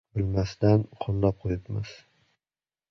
Bilmasdan, qo‘llab qo‘yibmiz.